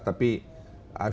tapi sudah ada